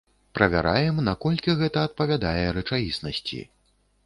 Правяраем, наколькі гэта адпавядае рэчаіснасці.